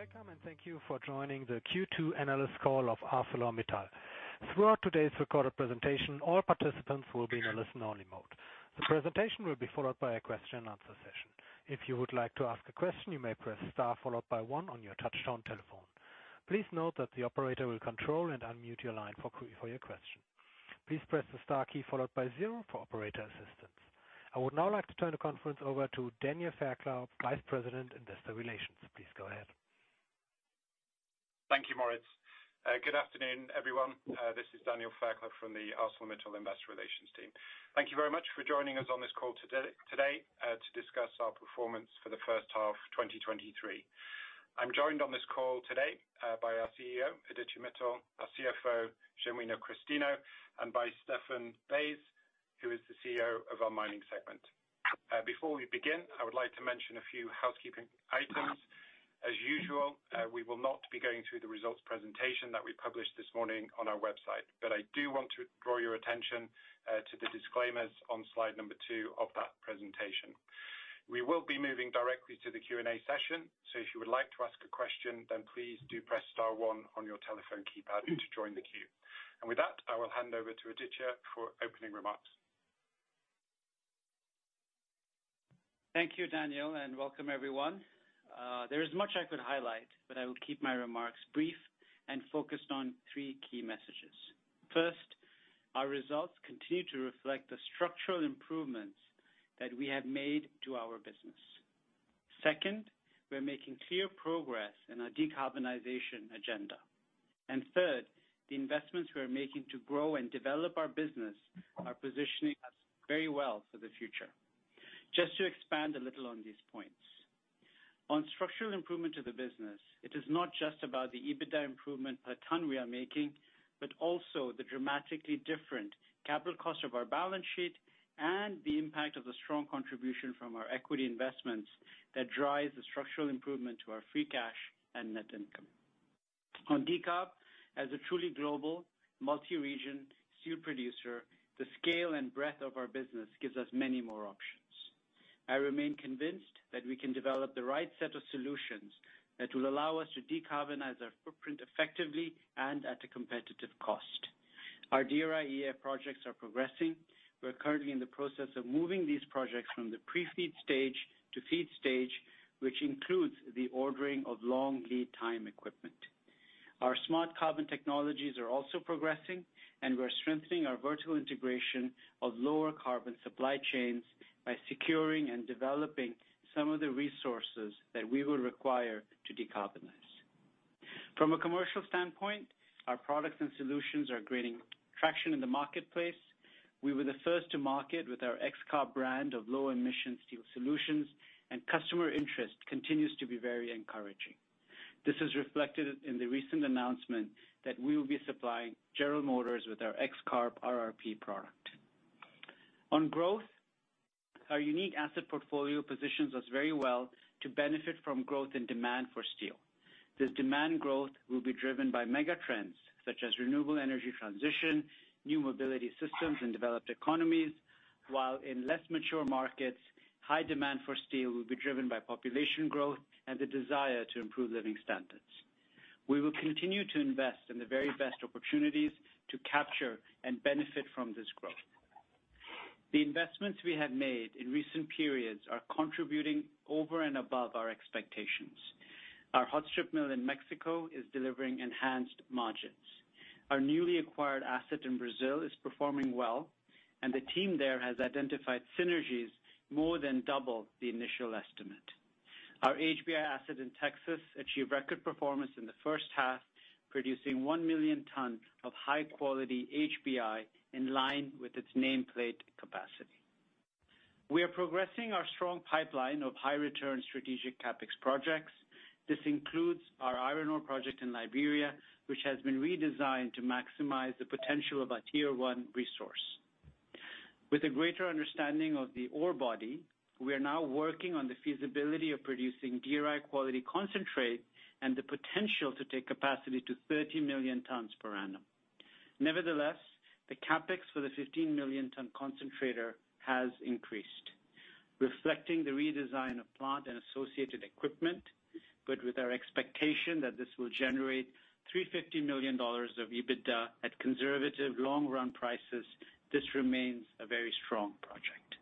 Welcome, and thank you for joining the Q2 analyst call of ArcelorMittal. Throughout today's recorded presentation, all participants will be in a listen-only mode. The presentation will be followed by a question-and-answer session. If you would like to ask a question, you may press Star followed by one on your touchtone telephone. Please note that the operator will control and unmute your line for your question. Please press the Star key followed by zero for operator assistance. I would now like to turn the conference over to Daniel Fairclough, Vice President, Investor Relations. Please go ahead. Thank you, Moritz. Good afternoon, everyone. This is Daniel Fairclough from the ArcelorMittal Investor Relations team. Thank you very much for joining us on this call today to discuss our performance for the first half 2023. I'm joined on this call today by our CEO, Aditya Mittal, our CFO, Genuino Christino, and by Stefan Buys, who is the CEO of our mining segment. Before we begin, I would like to mention a few housekeeping items. As usual, we will not be going through the results presentation that we published this morning on our website. I do want to draw your attention to the disclaimers on Slide 2 of that presentation. We will be moving directly to the Q&A session, so if you would like to ask a question, then please do press Star one on your telephone keypad to join the queue. With that, I will hand over to Aditya for opening remarks. Thank you, Daniel, and welcome everyone. There is much I could highlight, but I will keep my remarks brief and focused on three key messages. First, our results continue to reflect the structural improvements that we have made to our business. Second, we're making clear progress in our decarbonization agenda. Third, the investments we are making to grow and develop our business are positioning us very well for the future. Just to expand a little on these points. On structural improvement to the business, it is not just about the EBITDA improvement per ton we are making, but also the dramatically different capital cost of our balance sheet and the impact of the strong contribution from our equity investments that drives the structural improvement to our free cash and net income. On decarb, as a truly global, multi-region steel producer, the scale and breadth of our business gives us many more options. I remain convinced that we can develop the right set of solutions that will allow us to decarbonize our footprint effectively and at a competitive cost. Our DRI-EF projects are progressing. We're currently in the process of moving these projects from the pre-FEED stage to FEED stage, which includes the ordering of long lead time equipment. Our Smart Carbon technologies are also progressing, and we're strengthening our vertical integration of lower carbon supply chains by securing and developing some of the resources that we will require to decarbonize. From a commercial standpoint, our products and solutions are creating traction in the marketplace. We were the first to market with our XCarb brand of low-emission steel solutions, and customer interest continues to be very encouraging. This is reflected in the recent announcement that we will be supplying General Motors with our XCarb RRP product. On growth, our unique asset portfolio positions us very well to benefit from growth and demand for steel. This demand growth will be driven by mega trends, such as renewable energy transition, new mobility systems in developed economies, while in less mature markets, high demand for steel will be driven by population growth and the desire to improve living standards. We will continue to invest in the very best opportunities to capture and benefit from this growth. The investments we have made in recent periods are contributing over and above our expectations. Our hot strip mill in Mexico is delivering enhanced margins. Our newly acquired asset in Brazil is performing well, and the team there has identified synergies more than double the initial estimate. Our HBI asset in Texas achieved record performance in the first half, producing 1 million tons of high-quality HBI in line with its nameplate capacity. We are progressing our strong pipeline of high-return strategic CapEx projects. This includes our iron ore project in Liberia, which has been redesigned to maximize the potential of our tier one resource. With a greater understanding of the ore body, we are now working on the feasibility of producing DRI-quality concentrate and the potential to take capacity to 30 million tons per annum. The CapEx for the 15 million ton concentrator has increased, reflecting the redesign of plant and associated equipment, but with our expectation that this will generate $350 million of EBITDA at conservative long-run prices, this remains a very strong project.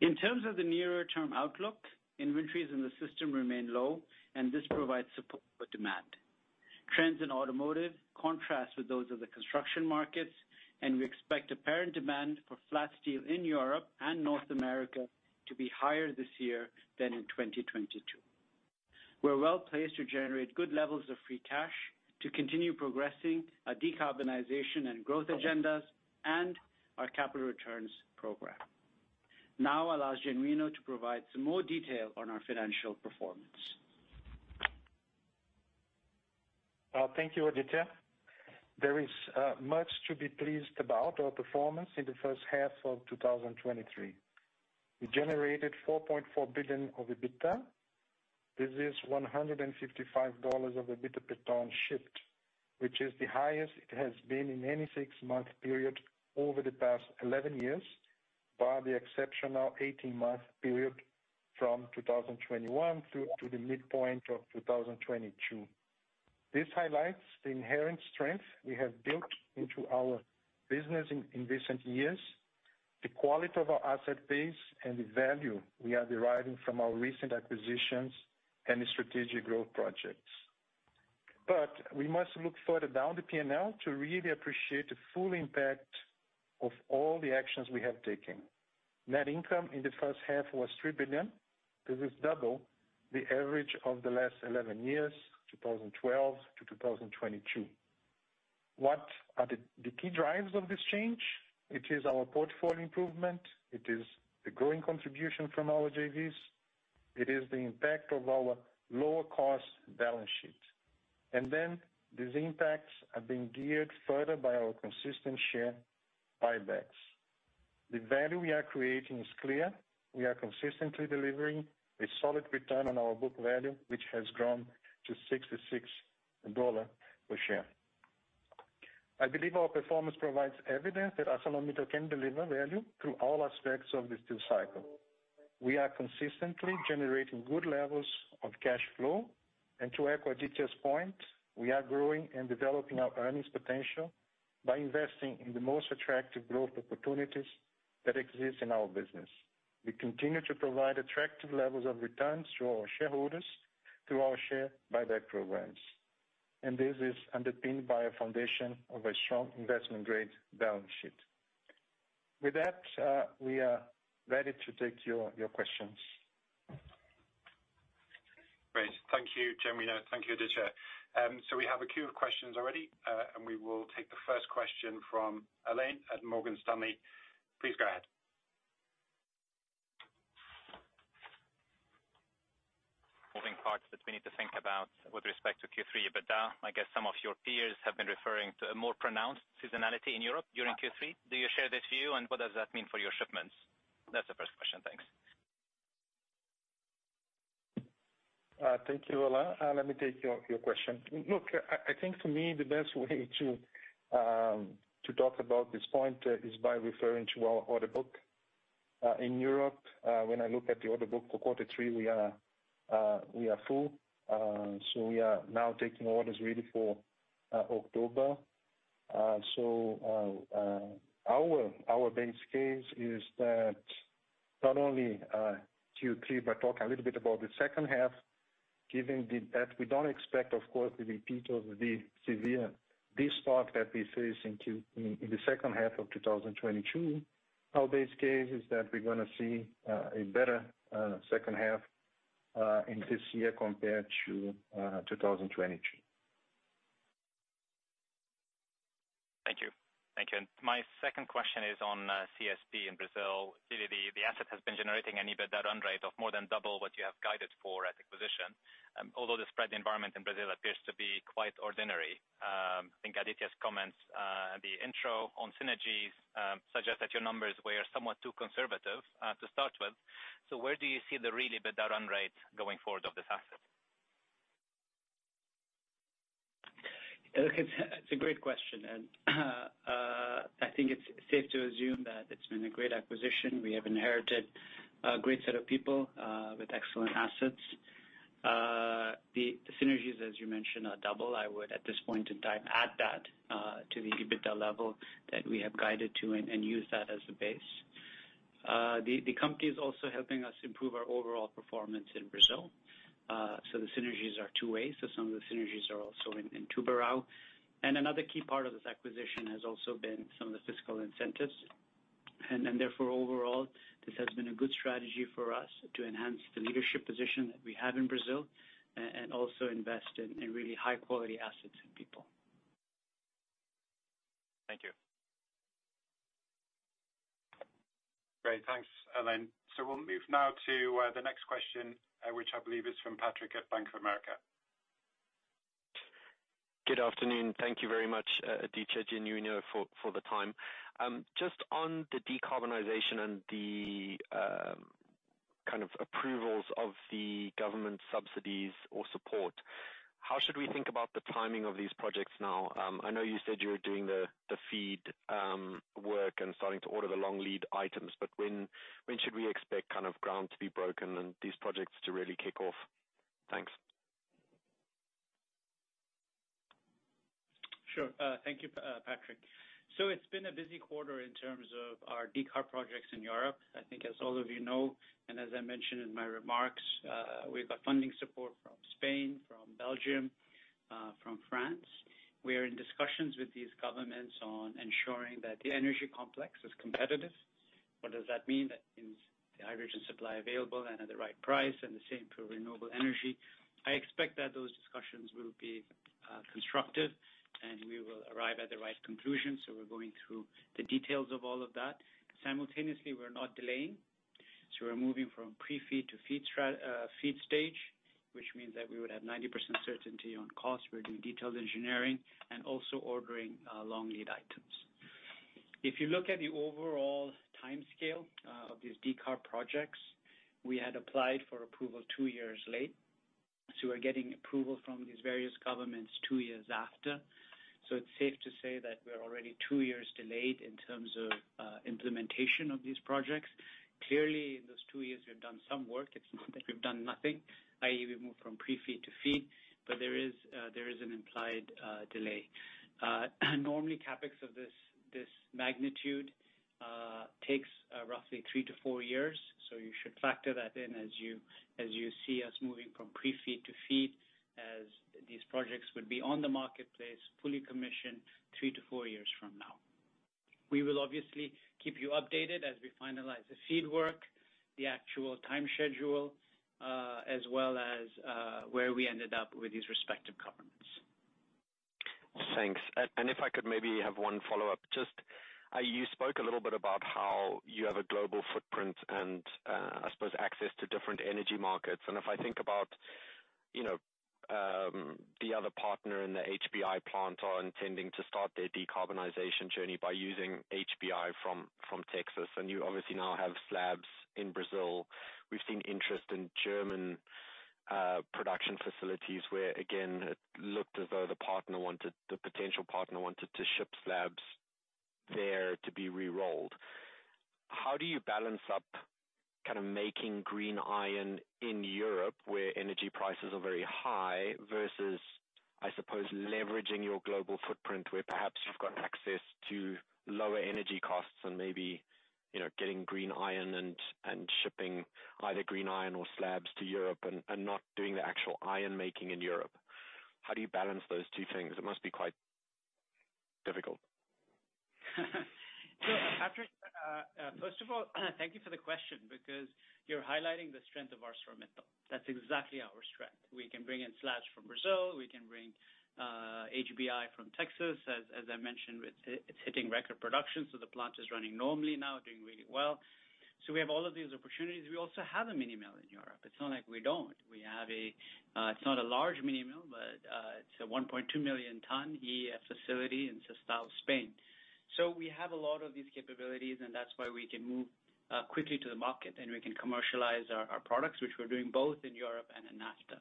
In terms of the nearer term outlook, inventories in the system remain low. This provides support for demand. Trends in automotive contrast with those of the construction markets. We expect apparent demand for flat steel in Europe and North America to be higher this year than in 2022. We're well-placed to generate good levels of free cash to continue progressing our decarbonization and growth agendas and our capital returns program. Now I'll ask Genuino to provide some more detail on our financial performance. Thank you, Aditya. There is much to be pleased about our performance in the first half of 2023. We generated $4.4 billion of EBITDA. This is $155 of EBITDA per ton shipped, which is the highest it has been in any 6-month period over the past 11 years, bar the exceptional 18-month period from 2021 through to the midpoint of 2022. This highlights the inherent strength we have built into our business in recent years, the quality of our asset base, and the value we are deriving from our recent acquisitions and the strategic growth projects. We must look further down the P&L to really appreciate the full impact of all the actions we have taken. Net income in the first half was $3 billion. This is double the average of the last 11 years, 2012 to 2022. What are the key drivers of this change? It is our portfolio improvement. It is the growing contribution from our JVs. It is the impact of our lower cost balance sheet. These impacts are being geared further by our consistent share buybacks. The value we are creating is clear. We are consistently delivering a solid return on our book value, which has grown to $66 per share. I believe our performance provides evidence that ArcelorMittal can deliver value through all aspects of the steel cycle. We are consistently generating good levels of cash flow. To echo Aditya's point, we are growing and developing our earnings potential by investing in the most attractive growth opportunities that exist in our business. We continue to provide attractive levels of returns to our shareholders through our share buyback programs. This is underpinned by a foundation of a strong investment-grade balance sheet. With that, we are ready to take your questions. Great. Thank you, Genuino. Thank you, Aditya. We have a queue of questions already. We will take the first question from Alain at Morgan Stanley. Please go ahead. Moving parts that we need to think about with respect to Q3, but I guess some of your peers have been referring to a more pronounced seasonality in Europe during Q3. Do you share this view, and what does that mean for your shipments? That's the first question. Thanks. Thank you, Alain. Let me take your question. Look, I think for me, the best way to talk about this point is by referring to our order book. In Europe, when I look at the order book for quarter three, we are full. We are now taking orders really for October. Our base case is that not only Q3, but talk a little bit about the second half, given that we don't expect, of course, the repeat of the severe, this part that we face in the second half of 2022. Our base case is that we're gonna see a better second half in this year compared to 2022. Thank you. Thank you. My second question is on CSP in Brazil. The asset has been generating an EBITDA run rate of more than double what you have guided for at acquisition. The spread environment in Brazil appears to be quite ordinary, I think Aditya's comments, the intro on synergies, suggest that your numbers were somewhat too conservative to start with. Where do you see the really EBITDA run rate going forward of this asset? Look, it's a great question. I think it's safe to assume that it's been a great acquisition. We have inherited a great set of people with excellent assets. The synergies, as you mentioned, are double. I would, at this point in time, add that to the EBITDA level that we have guided to and use that as a base. The company is also helping us improve our overall performance in Brazil. The synergies are two ways, so some of the synergies are also in Tubarão. Another key part of this acquisition has also been some of the fiscal incentives. Therefore, overall, this has been a good strategy for us to enhance the leadership position that we have in Brazil and also invest in really high-quality assets and people. Thank you. Great, thanks, Alain. We'll move now to the next question, which I believe is from Patrick at Bank of America. Good afternoon. Thank you very much, Aditya, Genuino, for the time. Just on the decarbonization and the kind of approvals of the government subsidies or support, how should we think about the timing of these projects now? I know you said you were doing the FEED work and starting to order the long lead items, but when should we expect kind of ground to be broken and these projects to really kick off? Thanks. Sure. Thank you, Patrick. It's been a busy quarter in terms of our decarb projects in Europe. I think, as all of you know, and as I mentioned in my remarks, we've got funding support from Spain, from Belgium, from France. We are in discussions with these governments on ensuring that the energy complex is competitive. What does that mean? That means the hydrogen supply available and at the right price, and the same for renewable energy. I expect that those discussions will be constructive, and we will arrive at the right conclusion, so we're going through the details of all of that. Simultaneously, we're not delaying, so we're moving from pre-FEED to FEED stage, which means that we would have 90% certainty on cost. We're doing detailed engineering and also ordering long lead items.... If you look at the overall timescale of these decarb projects, we had applied for approval 2 years late, so we're getting approval from these various governments 2 years after. It's safe to say that we're already 2 years delayed in terms of implementation of these projects. Clearly, in those 2 years, we've done some work. It's not like we've done nothing, i.e., we've moved from pre-FEED to FEED, but there is an implied delay. Normally, CapEx of this magnitude takes roughly 3-4 years, so you should factor that in as you, as you see us moving from pre-FEED to FEED, as these projects would be on the marketplace, fully commissioned, 3-4 years from now. We will obviously keep you updated as we finalize the FEED work, the actual time schedule, as well as, where we ended up with these respective governments. Thanks. If I could maybe have one follow-up, just, you spoke a little bit about how you have a global footprint and, I suppose access to different energy markets. If I think about, you know, the other partner in the HBI plant are intending to start their decarbonization journey by using HBI from Texas, and you obviously now have slabs in Brazil. We've seen interest in German production facilities, where, again, it looked as though the potential partner wanted to ship slabs there to be re-rolled. How do you balance up kinda making green iron in Europe, where energy prices are very high, versus, I suppose, leveraging your global footprint, where perhaps you've got access to lower energy costs and maybe, you know, getting green iron and, and shipping either green iron or slabs to Europe and, and not doing the actual iron-making in Europe? How do you balance those two things? It must be quite difficult. Sure, Patrick, first of all, thank you for the question because you're highlighting the strength of ArcelorMittal. That's exactly our strength. We can bring in slabs from Brazil. We can bring HBI from Texas. As I mentioned, it's hitting record production, so the plant is running normally now, doing really well. We have all of these opportunities. We also have a mini mill in Europe. It's not like we don't. We have a, it's not a large mini mill, but it's a 1.2 million ton EAF facility in Sestao, Spain. We have a lot of these capabilities, and that's why we can move quickly to the market, and we can commercialize our products, which we're doing both in Europe and in NAFTA.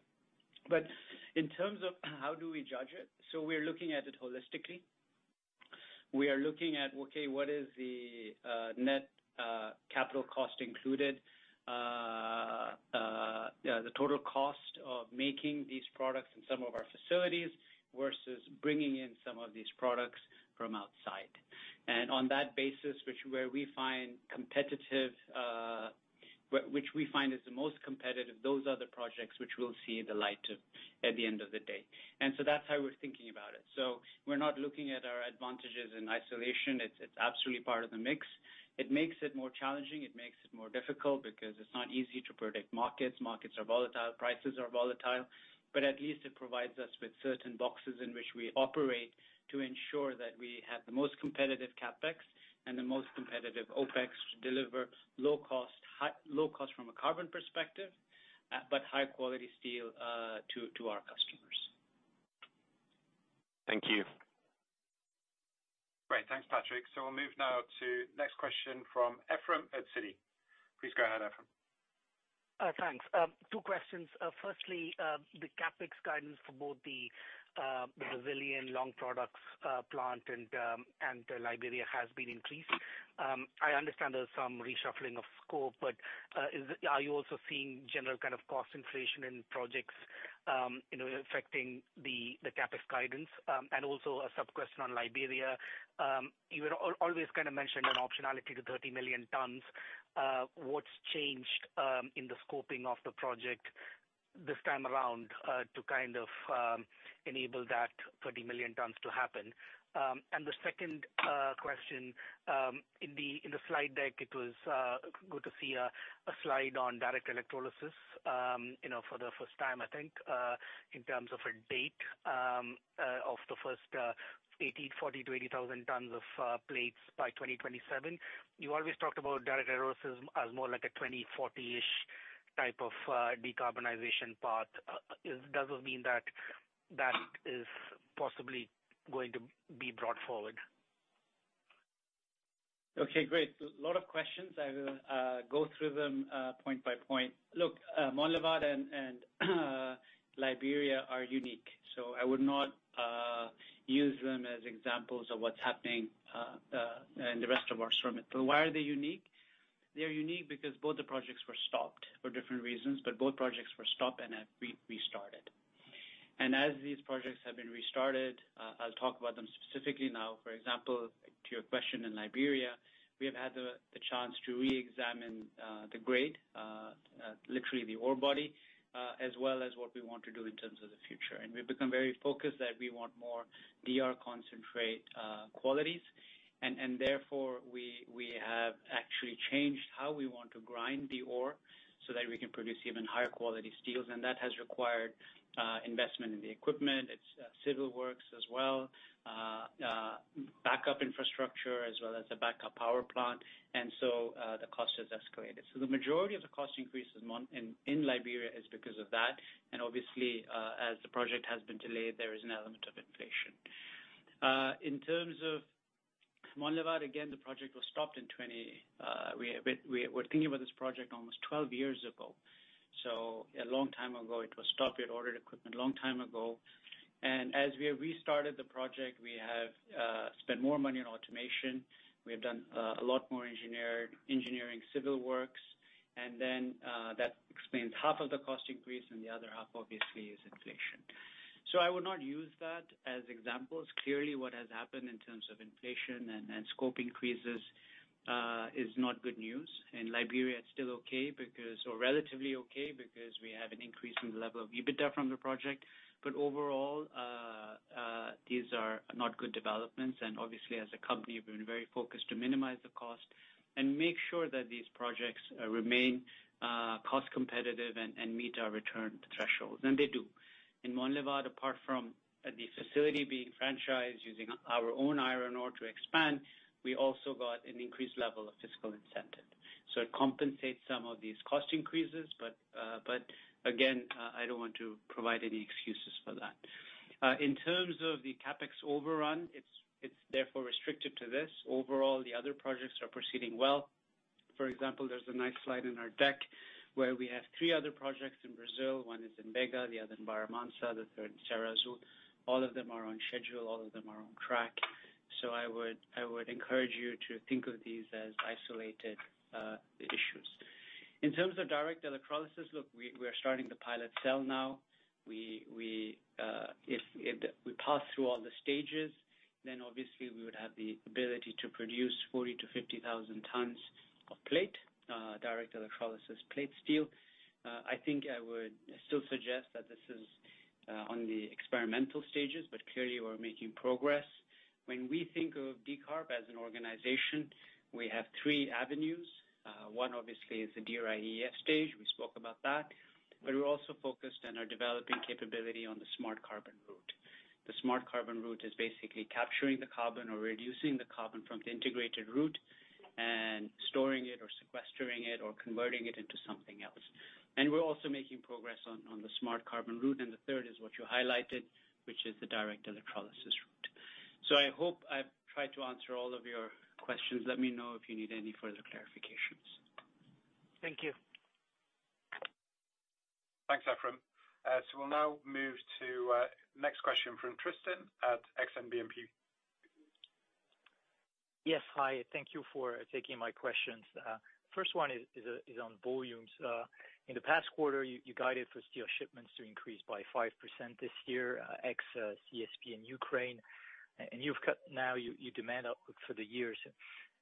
In terms of how do we judge it, we're looking at it holistically. We are looking at, okay, what is the net capital cost included, the total cost of making these products in some of our facilities versus bringing in some of these products from outside. On that basis, which where we find competitive, which we find is the most competitive, those are the projects which will see the light of at the end of the day. That's how we're thinking about it. We're not looking at our advantages in isolation. It's absolutely part of the mix. It makes it more challenging. It makes it more difficult because it's not easy to predict markets. Markets are volatile. Prices are volatile, but at least it provides us with certain boxes in which we operate to ensure that we have the most competitive CapEx and the most competitive OpEx to deliver low cost, low cost from a carbon perspective, but high-quality steel, to our customers. Thank you. Great. Thanks, Patrick. We'll move now to next question from Ephrem at Citi. Please go ahead, Ephrem. Thanks. Two questions. Firstly, the CapEx guidance for both the Brazilian long products plant and Liberia has been increased. I understand there's some reshuffling of scope, but are you also seeing general kind of cost inflation in projects, you know, affecting the CapEx guidance? Also a sub-question on Liberia. You are always kinda mentioned an optionality to 30 million tons. What's changed in the scoping of the project this time around, to kind of enable that 30 million tons to happen? The second question, in the Slide deck, it was good to see a Slide on direct electrolysis, you know, for the first time, I think, in terms of a date, of the first 80, 40 to 80 thousand tons of plates by 2027. You always talked about direct electrolysis as more like a 2040-ish type of decarbonization path. Does it mean that that is possibly going to be brought forward? Okay, great. A lot of questions. I will go through them point by point. Look, Monlevade and Liberia are unique, so I would not use them as examples of what's happening in the rest of ArcelorMittal. Why are they unique? They're unique because both the projects were stopped for different reasons, but both projects were stopped and have restarted. As these projects have been restarted, I'll talk about them specifically now. For example, to your question in Liberia, we have had the chance to reexamine the grade, literally the ore body, as well as what we want to do in terms of the future. We've become very focused that we want more DR concentrate qualities. Therefore, we have actually changed how we want to grind the ore, so that we can produce even higher quality steels, and that has required investment in the equipment. It's civil works as well, backup infrastructure, as well as a backup power plant, the cost has escalated. The majority of the cost increases in Liberia is because of that, and obviously, as the project has been delayed, there is an element of. In terms of Monlevade, again, the project was stopped in 20, we're thinking about this project almost 12 years ago. A long time ago, it was stopped. We had ordered equipment long time ago, and as we have restarted the project, we have spent more money on automation. We have done a lot more engineering, civil works, and then, that explains half of the cost increase and the other half, obviously, is inflation. I would not use that as examples. Clearly, what has happened in terms of inflation and scope increases is not good news, and Liberia is still okay because, or relatively okay because we have an increasing level of EBITDA from the project. Overall, these are not good developments, and obviously, as a company, we've been very focused to minimize the cost and make sure that these projects remain cost competitive and meet our return thresholds. They do. In Monlevade, apart from the facility being franchised, using our own iron ore to expand, we also got an increased level of fiscal incentive. It compensates some of these cost increases, but again, I don't want to provide any excuses for that. In terms of the CapEx overrun, it's therefore restricted to this. Overall, the other projects are proceeding well. For example, there's a nice Slide in our deck where we have 3 other projects in Brazil. One is in Vega, the other in Barra Mansa, the third in Serra Azul. All of them are on schedule, all of them are on track. I would encourage you to think of these as isolated issues. In terms of direct electrolysis, look, we are starting the pilot cell now. We, if we pass through all the stages, then obviously we would have the ability to produce 40,000-50,000 tons of plate, direct electrolysis plate steel. I think I would still suggest that this is on the experimental stages, but clearly we're making progress. When we think of Decarb as an organization, we have three avenues. One, obviously, is the DRI-EF stage. We spoke about that. We're also focused on our developing capability on the Smart Carbon route. The Smart Carbon route is basically capturing the carbon or reducing the carbon from the integrated route and storing it, or sequestering it, or converting it into something else. We're also making progress on the Smart Carbon route, and the third is what you highlighted, which is the direct electrolysis route. I hope I've tried to answer all of your questions. Let me know if you need any further clarifications. Thank you. Thanks, Ephrem. We'll now move to next question from Tristan at BNP Paribas. Yes. Hi, thank you for taking my questions. First one is on volumes. In the past quarter, you guided for steel shipments to increase by 5% this year, ex-CSP and Ukraine, and you've cut now your demand outlook for the years,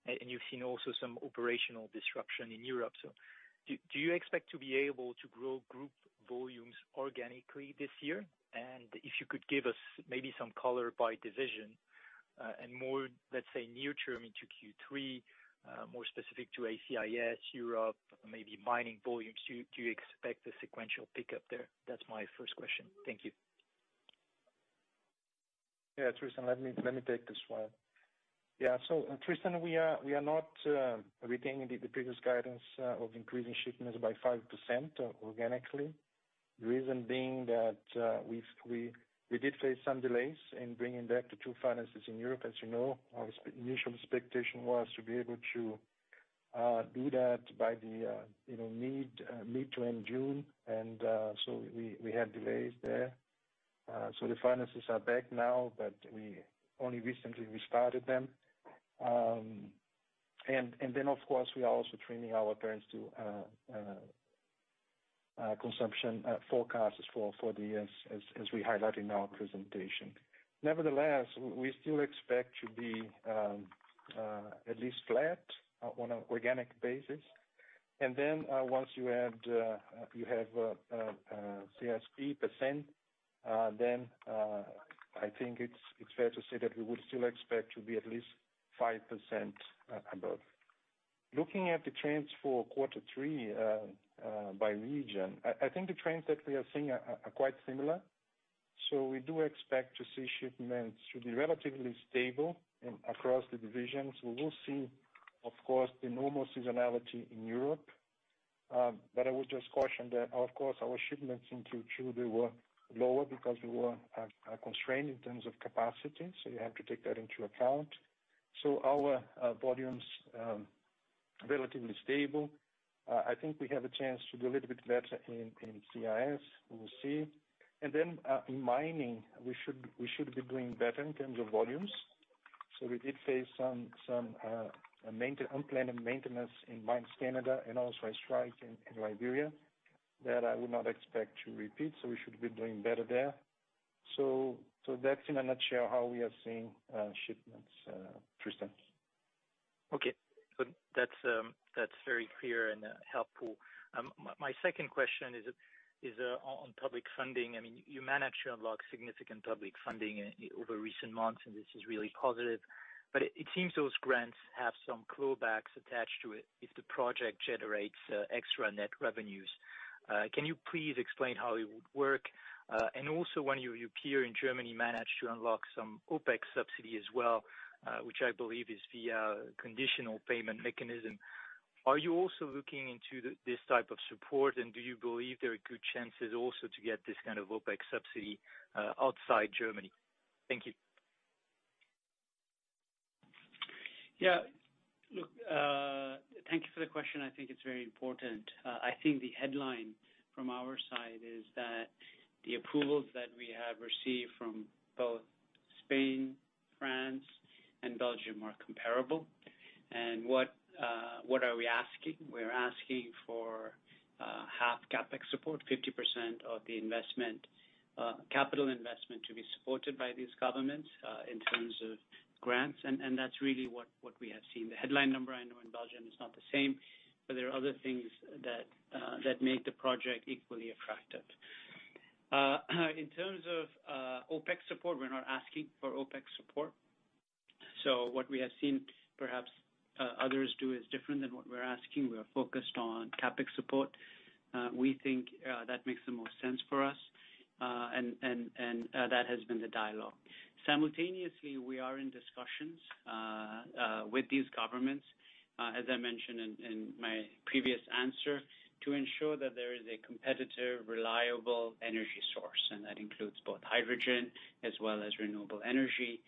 and you've seen also some operational disruption in Europe. Do you expect to be able to grow group volumes organically this year? If you could give us maybe some color by division, and more, let's say, near term into Q3, more specific to ACIS, Europe, maybe mining volumes. Do you expect a sequential pickup there? That's my first question. Thank you. Yeah, Tristan, let me take this one. Yeah, Tristan, we are not retaining the previous guidance of increasing shipments by 5% organically. The reason being that we did face some delays in bringing back the two furnaces in Europe. As you know, our initial expectation was to be able to do that by the, you know, mid to end June, we have delays there. The furnaces are back now, but we only recently restarted them. Of course, we are also trimming our guidance to consumption forecasts for the years as we highlight in our presentation. Nevertheless, we still expect to be at least flat on an organic basis. Once you add, you have CSP percent, then I think it's fair to say that we would still expect to be at least 5% above. Looking at the trends for quarter three by region, I think the trends that we are seeing are quite similar. We do expect to see shipments to be relatively stable across the divisions. We will see, of course, the normal seasonality in Europe. I would just caution that, of course, our shipments into Q2 were lower because we were at a constraint in terms of capacity, you have to take that into account. Our volumes are relatively stable. I think we have a chance to do a little bit better in CIS. We will see. In mining, we should be doing better in terms of volumes. We did face some unplanned maintenance in Mines Canada and also a strike in Liberia that I would not expect to repeat. We should be doing better there. That's in a nutshell, how we are seeing shipments, Tristan. That's very clear and helpful. My second question is on public funding. I mean, you managed to unlock significant public funding over recent months, and it is really positive, but it seems those grants have some clawbacks attached to it if the project generates extra net revenues. Can you please explain how it would work? Also, when you here in Germany, managed to unlock some OPEX subsidy as well.... which I believe is the conditional payment mechanism. Are you also looking into this type of support? And do you believe there are good chances also to get this kind of OPEX subsidy outside Germany? Thank you. Yeah, look, thank you for the question. I think it's very important. I think the headline from our side is that the approvals that we have received from both Spain, France, and Belgium are comparable. What are we asking? We're asking for half CapEx support, 50% of the investment, capital investment to be supported by these governments, in terms of grants, and that's really what we have seen. The headline number I know in Belgium is not the same, but there are other things that make the project equally attractive. In terms of OPEX support, we're not asking for OPEX support. What we have seen, perhaps, others do, is different than what we're asking. We are focused on CapEx support. We think that makes the most sense for us. That has been the dialogue. Simultaneously, we are in discussions with these governments, as I mentioned in my previous answer, to ensure that there is a competitive, reliable energy source. That includes both hydrogen as well as renewable energy.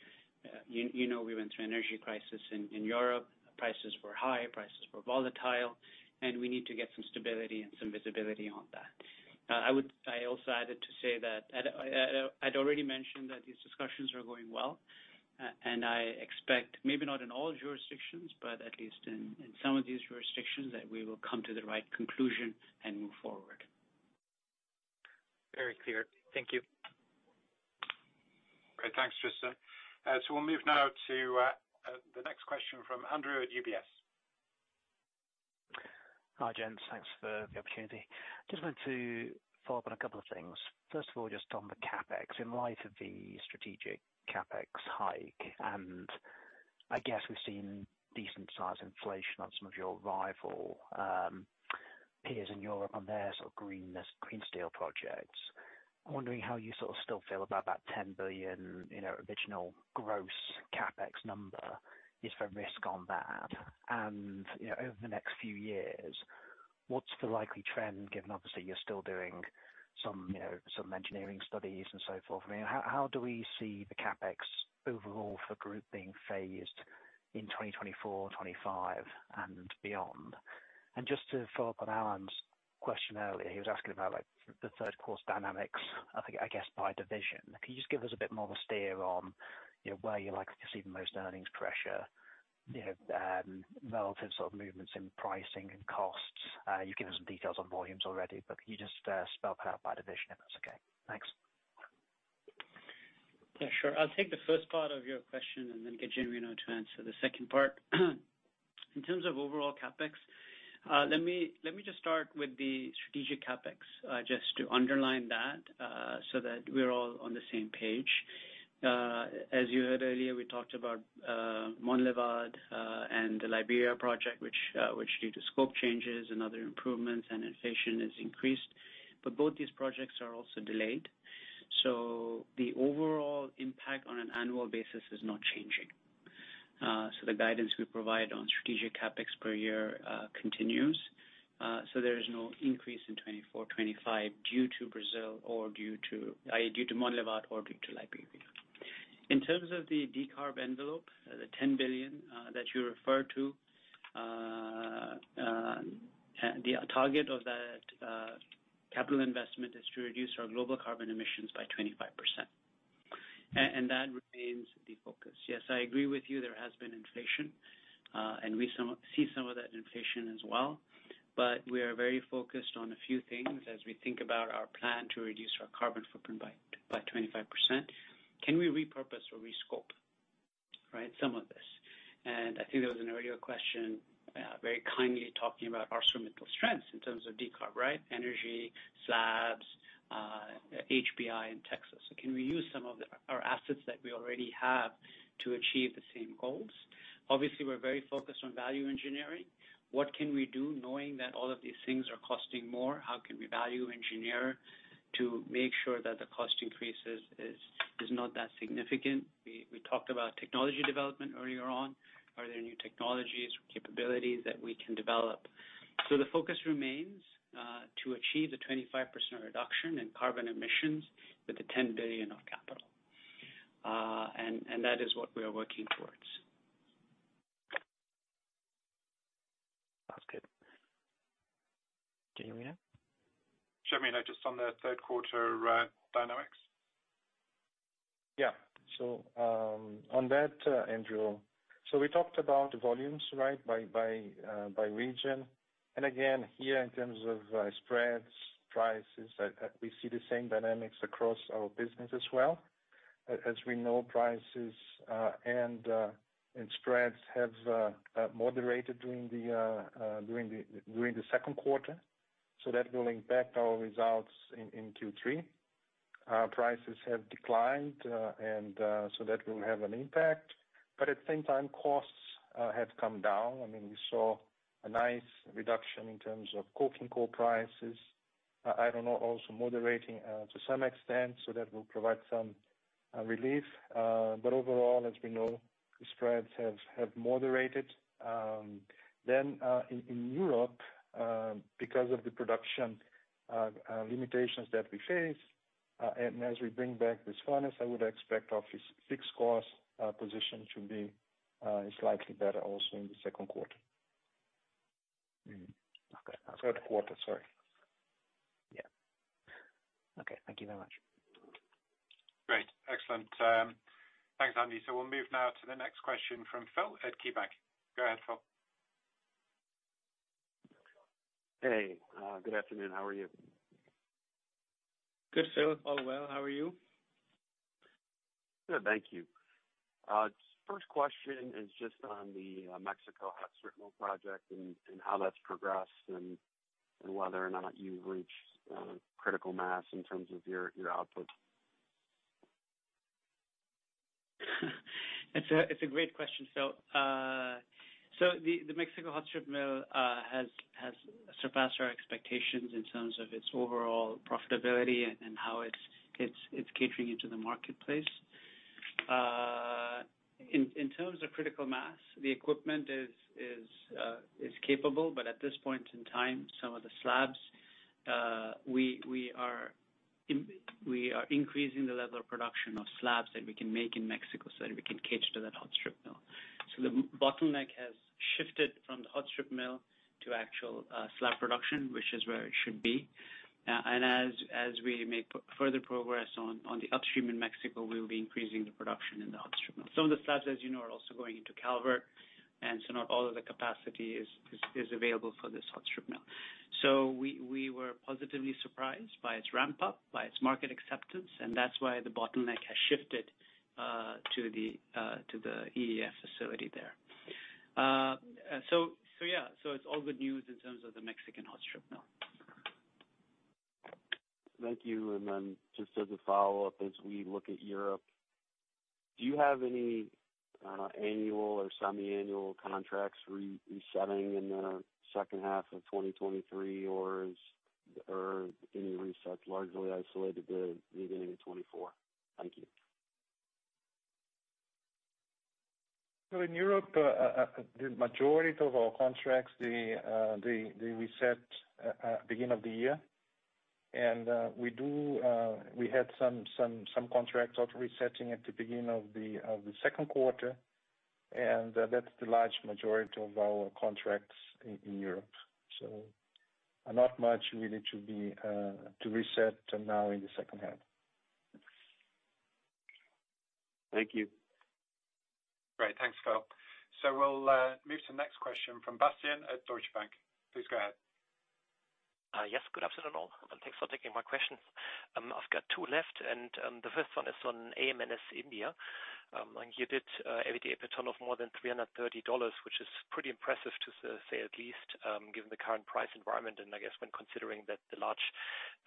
You know, we went through an energy crisis in Europe. Prices were high, prices were volatile, and we need to get some stability and some visibility on that. I also added to say that I'd already mentioned that these discussions are going well, and I expect, maybe not in all jurisdictions, but at least in some of these jurisdictions, that we will come to the right conclusion and move forward. Very clear. Thank you. Great. Thanks, Tristan. We'll move now to the next question from Andrew at UBS. Hi, gents. Thanks for the opportunity. Just wanted to follow up on a couple of things. First of all, just on the CapEx, in light of the strategic CapEx hike, I guess we've seen decent-sized inflation on some of your rival, peers in Europe on their sort of greenness, green steel projects. I'm wondering how you sort of still feel about that $10 billion, you know, original gross CapEx number, is there a risk on that? You know, over the next few years, what's the likely trend, given obviously you're still doing some, you know, some engineering studies and so forth. I mean, how do we see the CapEx overall for group being phased in 2024, 2025 and beyond? Just to follow up on Alain's question earlier, he was asking about, like, the third quarter dynamics, I think, I guess, by division. Can you just give us a bit more of a steer on, you know, where you're likely to see the most earnings pressure? You know, relative sort of movements in pricing and costs. You've given us some details on volumes already, but can you just spell that out by division, if that's okay? Thanks. Yeah, sure. I'll take the first part of your question and then get Genuino to answer the second part. In terms of overall CapEx, let me just start with the strategic CapEx, just to underline that, so that we're all on the same page. As you heard earlier, we talked about Monlevade and the Liberia project, which due to scope changes and other improvements and inflation has increased, but both these projects are also delayed. The overall impact on an annual basis is not changing. The guidance we provide on strategic CapEx per year continues. There is no increase in 2024, 2025 due to Brazil or due to Monlevade or due to Liberia. In terms of the decarb envelope, the $10 billion that you referred to, the target of that capital investment is to reduce our global carbon emissions by 25%. That remains the focus. Yes, I agree with you, there has been inflation, and we see some of that inflation as well, but we are very focused on a few things as we think about our plan to reduce our carbon footprint by 25%. Can we repurpose or rescope, right, some of this? I think there was an earlier question very kindly talking about our instrumental strengths in terms of decarb, right? Energy, slabs, HBI in Texas. Can we use some of our assets that we already have to achieve the same goals? Obviously, we're very focused on value engineering. What can we do knowing that all of these things are costing more? How can we value engineer to make sure that the cost increases is not that significant? We talked about technology development earlier on. Are there new technologies or capabilities that we can develop? The focus remains to achieve the 25% reduction in carbon emissions with the $10 billion of capital. That is what we are working towards. That's good. Genuino? Genuino, just on the third quarter, dynamics. Yeah. So, on that, Andrew, so we talked about volumes, right? By region. Again, here, in terms of spreads, prices, we see the same dynamics across our business as well. As we know, prices, and spreads have moderated during the second quarter, so that will impact our results in Q3. Prices have declined, so that will have an impact, but at the same time, costs have come down. I mean, we saw a nice reduction in terms of coking coal prices. I don't know, also moderating to some extent, so that will provide some relief. Overall, as we know, the spreads have moderated. In Europe, because of the production limitations that we face, and as we bring back this furnace, I would expect our fixed cost position to be slightly better also in the second quarter. Okay. Third quarter, sorry. Yeah. Okay, thank you very much. Great. Excellent. Thanks, Andrew. We'll move now to the next question from Phil at KeyBanc. Go ahead, Phil. Hey, good afternoon. How are you? Good, Phil. All well, how are you? Good, thank you. First question is just on the Mexico hot strip mill project and how that's progressed and whether or not you've reached critical mass in terms of your output? It's a great question, Phil. The Mexico hot strip mill has surpassed our expectations in terms of its overall profitability and how it's catering into the marketplace. In terms of critical mass, the equipment is capable, but at this point in time, some of the slabs, we are increasing the level of production of slabs that we can make in Mexico so that we can cater to that hot strip mill. The bottleneck has shifted from the hot strip mill to actual slab production, which is where it should be. As we make further progress on the upstream in Mexico, we will be increasing the production in the hot strip mill. Some of the slabs, as you know, are also going into Calvert. Not all of the capacity is available for this hot strip mill. We were positively surprised by its ramp-up, by its market acceptance, and that's why the bottleneck has shifted to the EAF facility there. Yeah, it's all good news in terms of the Mexican hot strip mill. Thank you. Just as a follow-up, as we look at Europe, do you have any annual or semiannual contracts resetting in the second half of 2023, or any resets largely isolated to the beginning of 2024? Thank you. In Europe, the majority of our contracts, they reset at beginning of the year. We had some contracts also resetting at the beginning of the second quarter, and that's the large majority of our contracts in Europe. Not much really to be to reset now in the second half. Thank you. Great, thanks, Phil. We'll move to the next question from Bastian at Deutsche Bank. Please go ahead. Yes, good afternoon all, and thanks for taking my questions. I've got two left, and the first one is on AMNS India. You did EBITDA ton of more than $330, which is pretty impressive, to say at least, given the current price environment, and I guess when considering that the large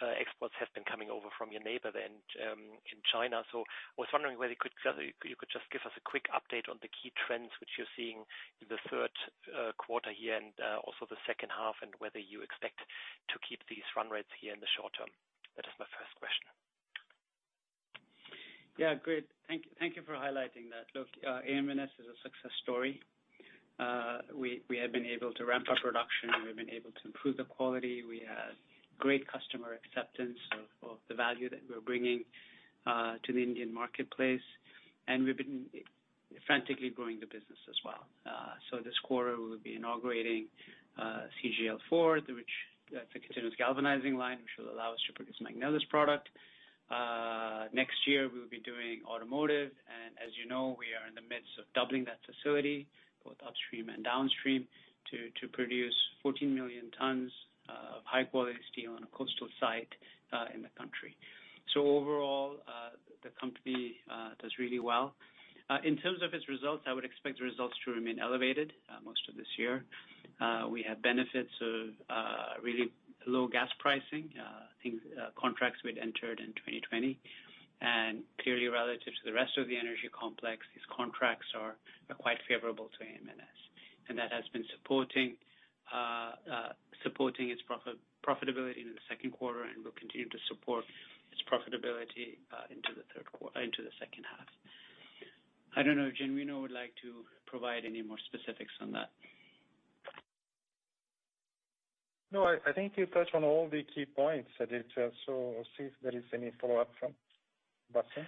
exports have been coming over from your neighbor then, in China. I was wondering whether you could tell me, you could just give us a quick update on the key trends which you're seeing in the third quarter here and also the second half, and whether you expect to keep these run rates here in the short term. That is my first question. Yeah, great. Thank you for highlighting that. Look, AMNS is a success story. We have been able to ramp up production, we've been able to improve the quality. We have great customer acceptance of the value that we're bringing to the Indian marketplace, we've been frantically growing the business as well. This quarter, we'll be inaugurating CGL4, which the continuous galvanizing line, which will allow us to produce Magnelis product. Next year, we'll be doing automotive, as you know, we are in the midst of doubling that facility, both upstream and downstream, to produce 14 million tons of high-quality steel on a coastal site in the country. Overall, the company does really well. In terms of its results, I would expect the results to remain elevated, most of this year. We have benefits of really low gas pricing, I think contracts we'd entered in 2020. Clearly, relative to the rest of the energy complex, these contracts are quite favorable to AMNS, and that has been supporting its profitability in the second quarter and will continue to support its profitability into the third quarter. Into the second half. I don't know if Gianrino would like to provide any more specifics on that. No, I think you touched on all the key points, Aditya. See if there is any follow-up from Bastian.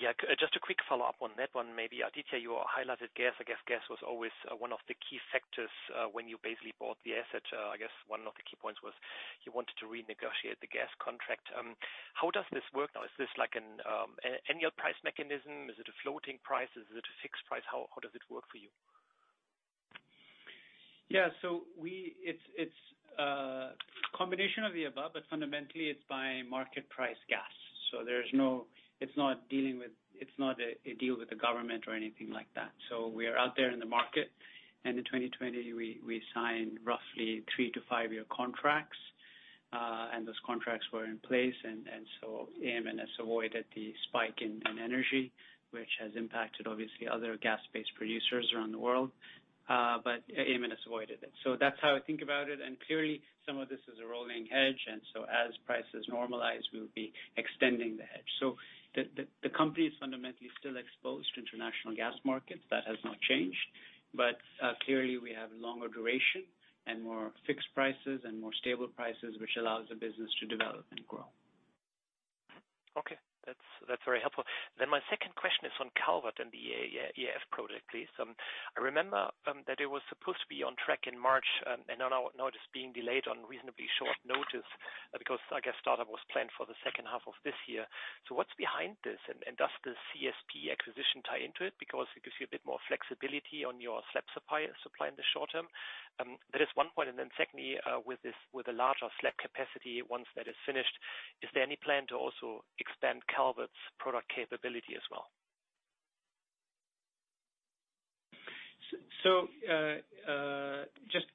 Yeah, just a quick follow-up on that one. Maybe, Aditya, you highlighted gas. I guess gas was always, one of the key factors, when you basically bought the asset. I guess one of the key points was you wanted to renegotiate the gas contract. How does this work now? Is this like an annual price mechanism? Is it a floating price? Is it a fixed price? How does it work for you? Yeah. It's a combination of the above, but fundamentally it's buying market price gas. There's no, it's not a deal with the government or anything like that. We are out there in the market, in 2020, we signed roughly 3-5-year contracts. Those contracts were in place, and so AM/NS has avoided the spike in energy, which has impacted, obviously, other gas-based producers around the world. AM/NS has avoided it. That's how I think about it. Clearly, some of this is a rolling hedge, as prices normalize, we will be extending the hedge. The company is fundamentally still exposed to international gas markets. That has not changed. Clearly, we have longer duration and more fixed prices and more stable prices, which allows the business to develop and grow. Okay, that's very helpful. My second question is on Calvert and the EF project, please. I remember that it was supposed to be on track in March, and now it is being delayed on reasonably short notice because I guess startup was planned for the second half of this year. What's behind this, and does the CSP acquisition tie into it? Because it gives you a bit more flexibility on your slab supply in the short term. That is one point, secondly, with the larger slab capacity, once that is finished, is there any plan to also extend Calvert's product capability as well? So,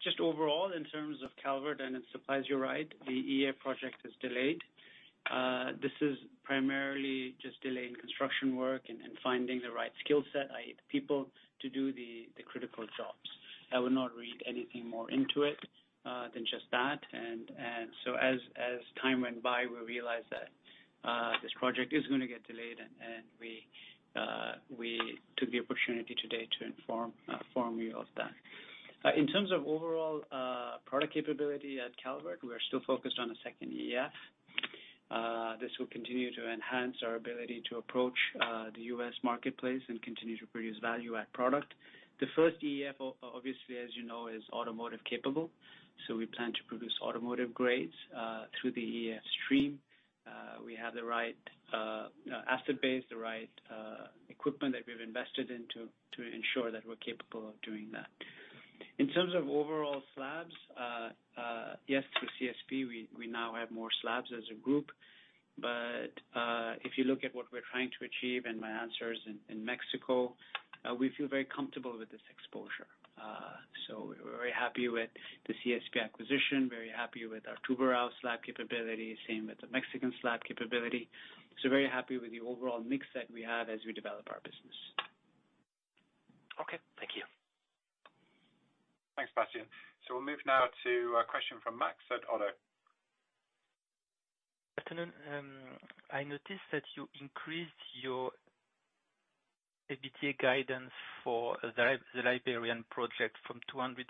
just overall, in terms of Calvert and its supplies, you're right, the EF project is delayed. This is primarily just delay in construction work and finding the right skill set, i.e., people, to do the critical jobs. I would not read anything more into it than just that. So as time went by, we realized that this project is gonna get delayed, and we took the opportunity today to inform you of that. In terms of overall product capability at Calvert, we are still focused on a second EF. This will continue to enhance our ability to approach the U.S. marketplace and continue to produce value at product. The first EF, obviously, as you know, is automotive capable. We plan to produce automotive grades through the EF stream. We have the right asset base, the right equipment that we've invested in to ensure that we're capable of doing that. In terms of overall slabs, yes, through CSP, we now have more slabs as a group. If you look at what we're trying to achieve, and my answer is in Mexico, we feel very comfortable with this exposure. We're very happy with the CSP acquisition, very happy with our Tubarão slab capability, same with the Mexican slab capability. We're very happy with the overall mix that we have as we develop our business. Okay, thank you. Thanks, Bastian. We'll move now to a question from Max at Oddo. Good afternoon. I noticed that you increased your EBITDA guidance for the Liberian project from $250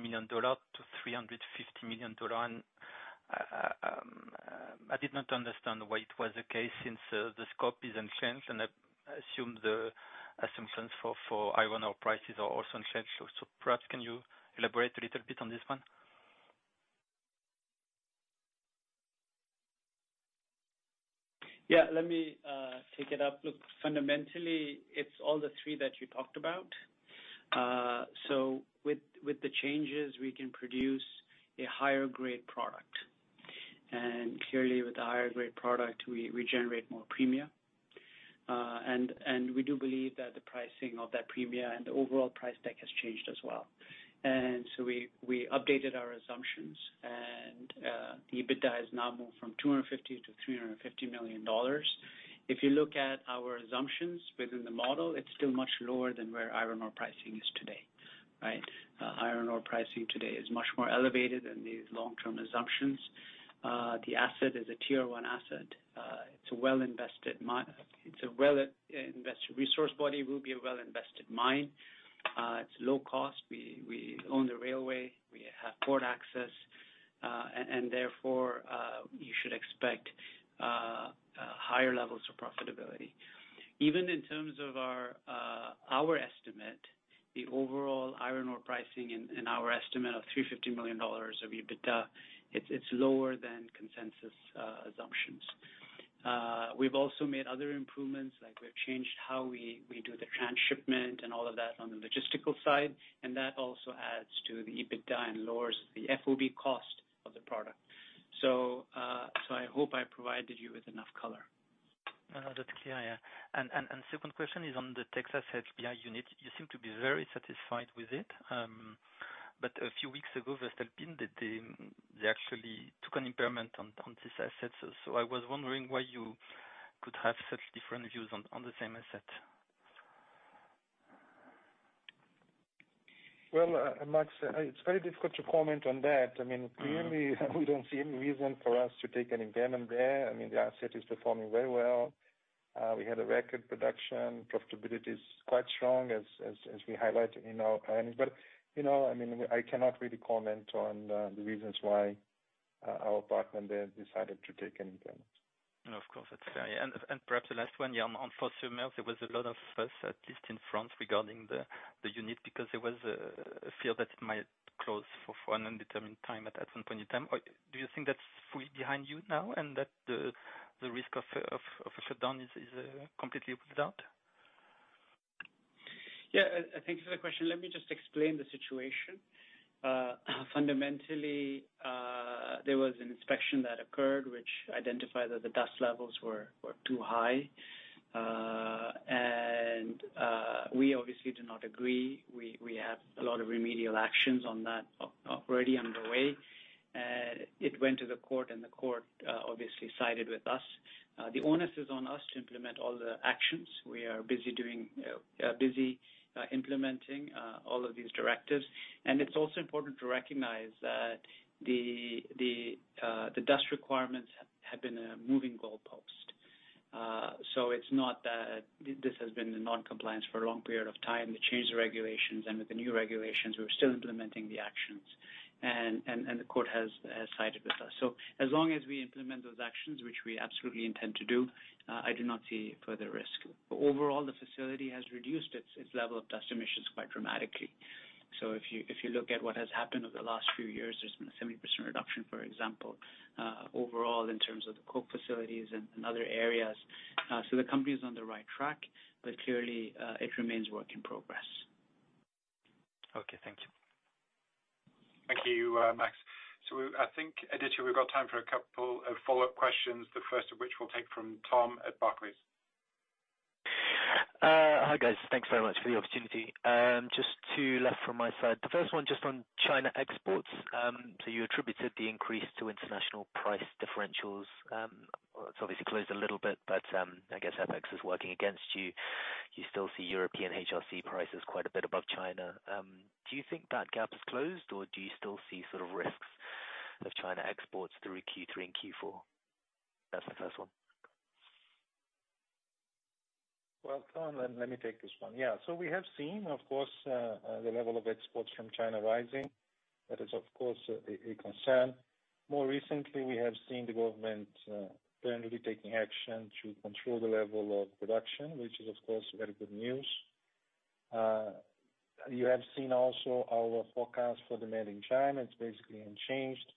million to $350 million. I did not understand why it was the case, since the scope is unchanged, and I assume the assumptions for iron ore prices are also unchanged. Perhaps can you elaborate a little bit on this one? Yeah, let me take it up. Look, fundamentally, it's all the three that you talked about. With the changes, we can produce a higher grade product, and clearly, with the higher grade product, we generate more premia. We do believe that the pricing of that premia and the overall price deck has changed as well. We updated our assumptions, and the EBITDA has now moved from $250 million to $350 million. If you look at our assumptions within the model, it's still much lower than where iron ore pricing is today, right? Iron ore pricing today is much more elevated than these long-term assumptions. The asset is a Tier One asset. It's a well-invested mine. It's a well-invested resource body, will be a well-invested mine. It's low cost. We own the railway, we have port access, and therefore, you should expect higher levels of profitability. Even in terms of our estimate, the overall iron ore pricing in our estimate of $350 million of EBITDA, it's lower than consensus assumptions. We've also made other improvements, like we've changed how we do the transshipment and all of that on the logistical side. That also adds to the EBITDA and lowers the FOB cost of the product. I hope I provided you with enough color. That's clear, yeah. Second question is on the Texas HBI unit. You seem to be very satisfied with it, but a few weeks ago, I was telling that they actually took an impairment on this asset. I was wondering why you could have such different views on the same asset? Well, Max, it's very difficult to comment on that. I mean, clearly, we don't see any reason for us to take an impairment there. I mean, the asset is performing very well. We had a record production. Profitability is quite strong, as we highlighted in our earnings. You know, I mean, I cannot really comment on the reasons why our partner there decided to take an impairment. No, of course, that's fair. Perhaps the last one, on Force Majeure, there was a lot of fuss, at least in France, regarding the unit, because there was a fear that it might close for an undetermined time at some point in time. Do you think that's fully behind you now and that the risk of a shutdown is completely ruled out? Yeah, thank you for the question. Let me just explain the situation. Fundamentally, there was an inspection that occurred which identified that the dust levels were too high. We obviously do not agree. We have a lot of remedial actions on that already underway, and it went to the court, and the court obviously sided with us. The onus is on us to implement all the actions. We are busy doing, busy implementing all of these directives. It's also important to recognize that the dust requirements have been a moving goalpost. So it's not that this has been in non-compliance for a long period of time. They changed the regulations. With the new regulations, we're still implementing the actions, and the court has sided with us. As long as we implement those actions, which we absolutely intend to do, I do not see further risk. Overall, the facility has reduced its level of dust emissions quite dramatically. If you look at what has happened over the last few years, there's been a 70% reduction, for example, overall in terms of the coke facilities and other areas. The company's on the right track, but clearly, it remains work in progress. Okay, thank you. Thank you, Max. I think, Aditya, we've got time for a couple of follow-up questions, the first of which we'll take from Tom at Barclays. Hi, guys. Thanks very much for the opportunity. Just 2 left from my side. The first one, just on China exports. You attributed the increase to international price differentials. Well, it's obviously closed a little bit, but I guess FX is working against you. You still see European HRC prices quite a bit above China. Do you think that gap is closed, or do you still see sort of risks of China exports through Q3 and Q4? That's the first one. Well, Tom, let me take this one. Yeah, we have seen, of course, the level of exports from China rising. That is, of course, a concern. More recently, we have seen the government clearly taking action to control the level of production, which is, of course, very good news. You have seen also our forecast for demand in China, it's basically unchanged.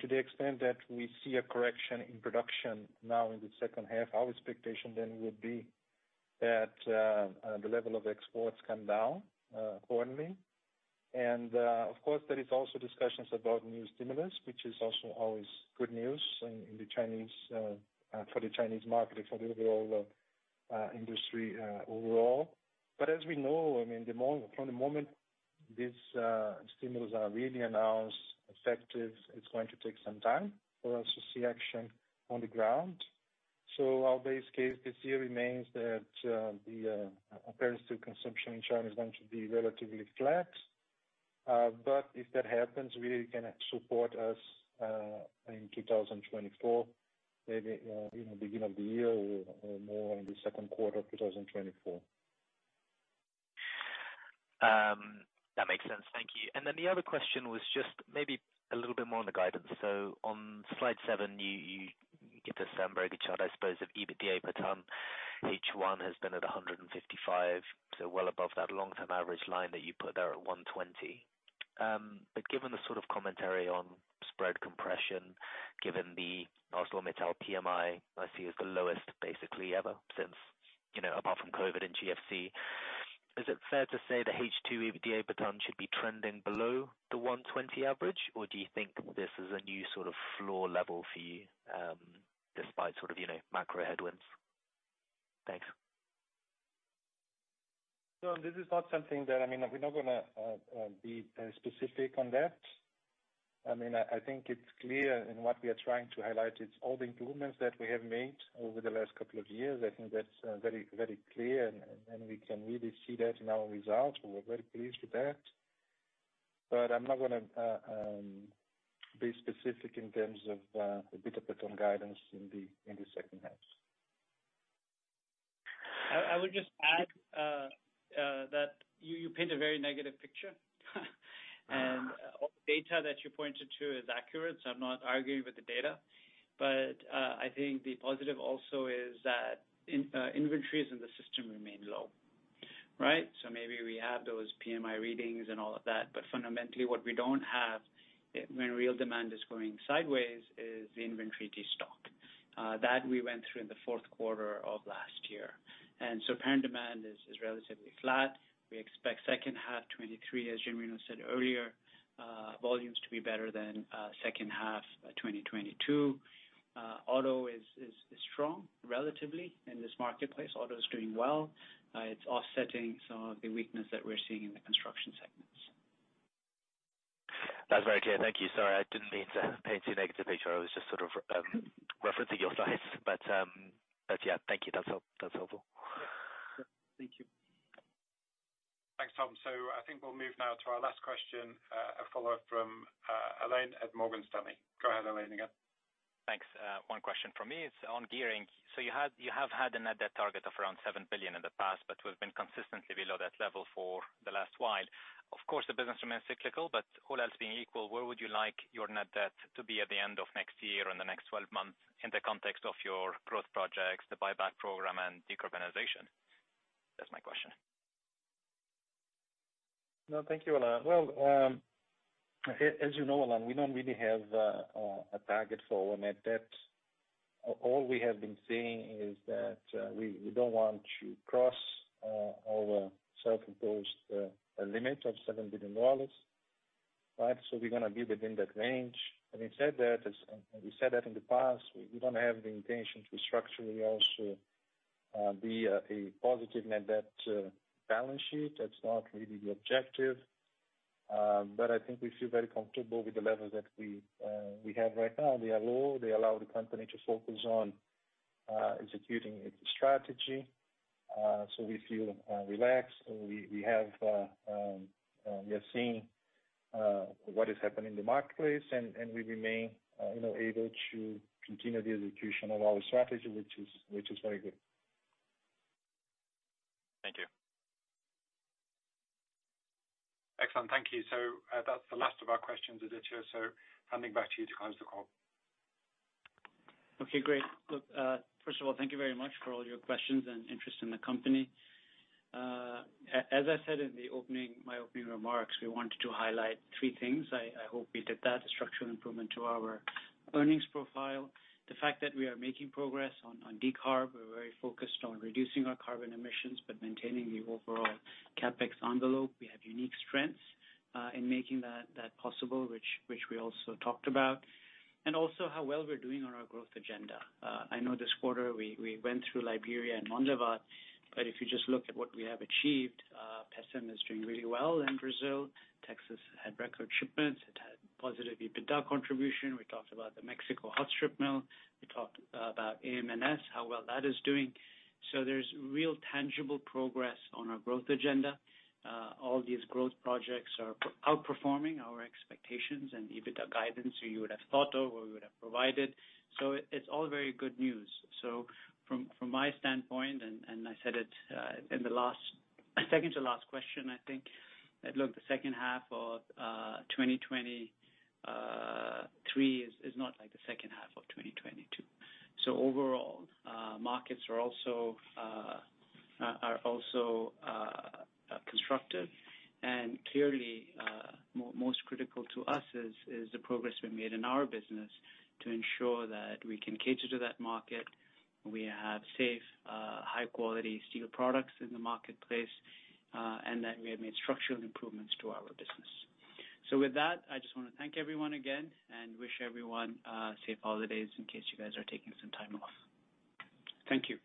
To the extent that we see a correction in production now in the second half, our expectation then would be that the level of exports come down accordingly. Of course, there is also discussions about new stimulus, which is also always good news in the Chinese for the Chinese market and for the overall industry overall. As we know, I mean, from the moment this stimulus are really announced effective, it's gonna take some time for us to see action on the ground. Our base case this year remains that the appearance to consumption in China is gonna be relatively flat. If that happens, really gonna support us in 2024, maybe in the beginning of the year or more in the second quarter of 2024. That makes sense. Thank you. The other question was just maybe a little bit more on the guidance. On Slide seven, you give us some very good chart, I suppose, of EBITDA per ton. H1 has been at 155, so well above that long-term average line that you put there at 120. Given the sort of commentary on spread compression, given the ArcelorMittal PMI, I see is the lowest basically ever since, you know, apart from COVID and GFC. Is it fair to say the H2 EBITDA per ton should be trending below the 120 average, or do you think this is a new sort of floor level for you, despite sort of, you know, macro headwinds? Thanks. This is not something that. I mean, we're not gonna be specific on that. I mean, I, I think it's clear, and what we are trying to highlight is all the improvements that we have made over the last couple of years. I think that's very, very clear, and we can really see that in our results, and we're very pleased with that. I'm not gonna be specific in terms of EBITDA per ton guidance in the second half. I would just add that you paint a very negative picture. All the data that you pointed to is accurate, so I'm not arguing with the data. I think the positive also is that inventories in the system remain low, right? Maybe we have those PMI readings and all of that, but fundamentally, what we don't have, when real demand is going sideways, is the inventory de-stock. That we went through in the fourth quarter of last year. Apparent demand is relatively flat. We expect second half 2023, as Genuino said earlier, volumes to be better than second half 2022. Auto is strong relatively in this marketplace. Auto is doing well. It's offsetting some of the weakness that we're seeing in the construction segments. That's very clear. Thank you. Sorry, I didn't mean to paint too negative a picture. I was just sort of referencing your Slides, but yeah. Thank you. That's helpful. Thank you. Thanks, Tom. I think we'll move now to our last question, a follow-up from Alain at Morgan Stanley. Go ahead, Alain, again. Thanks. one question from me, it's on gearing. You have had a net debt target of around $7 billion in the past, we've been consistently below that level for the last while. Of course, the business remains cyclical, all else being equal, where would you like your net debt to be at the end of next year, in the next 12 months, in the context of your growth projects, the buyback program, and decarbonization? That's my question. No, thank you, Alain. Well, as you know, Alain, we don't really have a target for our net debt. All we have been saying is that we don't want to cross our self-imposed limit of $7 billion. Right? We're gonna be within that range. Having said that, as, and we said that in the past, we don't have the intention to structurally also be a positive net debt balance sheet. That's not really the objective, but I think we feel very comfortable with the levels that we have right now. They are low, they allow the company to focus on executing its strategy. We feel relaxed, and we have, we are seeing what is happening in the marketplace, and we remain, you know, able to continue the execution of our strategy, which is very good. Thank you. Excellent. Thank you. That's the last of our questions, Aditya. Handing back to you to close the call. Okay, great. Look, first of all, thank you very much for all your questions and interest in the company. As I said in the opening, my opening remarks, we wanted to highlight three things. I hope we did that. Structural improvement to our earnings profile, the fact that we are making progress on decarb, we're very focused on reducing our carbon emissions, but maintaining the overall CapEx envelope. We have unique strengths in making that possible, which we also talked about, and also how well we're doing on our growth agenda. I know this quarter, we went through Liberia and Mondragon, but if you just look at what we have achieved, Pecém is doing really well in Brazil. Texas had record shipments. It had positive EBITDA contribution. We talked about the Mexico hot strip mill. We talked about AMNS, how well that is doing. There's real tangible progress on our growth agenda. All these growth projects are outperforming our expectations and EBITDA guidance, you would have thought of or we would have provided. It's all very good news. From my standpoint, and I said it in the last, second to last question, I think, that, look, the second half of 2023 is not like the second half of 2022. Overall, markets are also constructive. Clearly, most critical to us is the progress we've made in our business to ensure that we can cater to that market, we have safe, high-quality steel products in the marketplace, and that we have made structural improvements to our business. With that, I just wanna thank everyone again and wish everyone safe holidays in case you guys are taking some time off. Thank you.